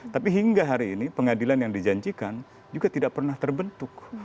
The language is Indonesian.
tapi hingga hari ini pengadilan yang dijanjikan juga tidak pernah terbentuk